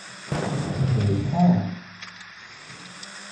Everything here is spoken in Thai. เผยภาพ